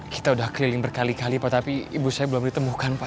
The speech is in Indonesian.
kita sudah keliling berkali kali pak tapi ibu saya belum ditemukan pak